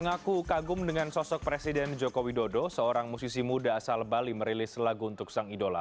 mengaku kagum dengan sosok presiden joko widodo seorang musisi muda asal bali merilis lagu untuk sang idola